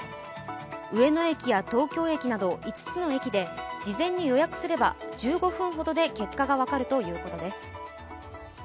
上野駅や東京駅など５つの駅で事前に予約すれば１５分ほどで結果が分かるということです。